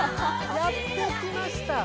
やって来ました。